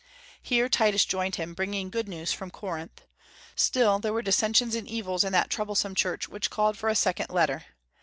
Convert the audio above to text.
Here Titus joined him, bringing good news from Corinth. Still, there were dissensions and evils in that troublesome church which called for a second letter.